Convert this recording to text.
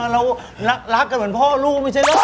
เรารักกันเหมือนพ่อลูกไม่ใช่ลูก